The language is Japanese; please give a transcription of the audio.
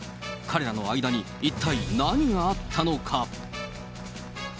彼らの間に一体何があったのか。